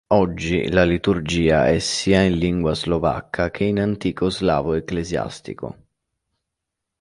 Oggi, la liturgia è sia in lingua slovacca che in antico slavo ecclesiastico.